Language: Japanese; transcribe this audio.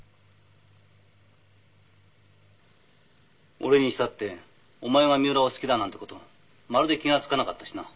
「俺にしたってお前が三浦を好きだなんて事まるで気が付かなかったしな」